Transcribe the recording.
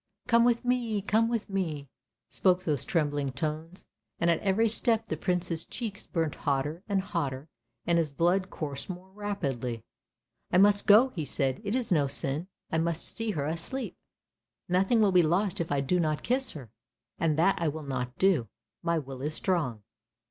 " Come with me, come with me," spoke those trembling tones, and at every step the Prince's cheeks burnt hotter and hotter and his blood coursed more rapidly. " I must go," he said, "it is no sin, I must see her asleep, nothing will be lost if I do not kiss her, and that I will not do. My will is strong."